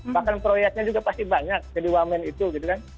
bahkan proyeknya juga pasti banyak jadi wamen itu gitu kan